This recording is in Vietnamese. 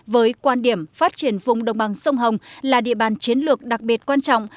với quan điểm phát triển vùng đồng bằng sông hồng là địa bàn chiến lược đặc biệt quan trọng